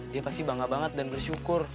dia pasti bangga banget dan bersyukur